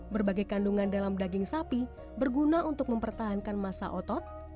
berbagai kandungan dalam daging sapi berguna untuk mempertahankan masa otot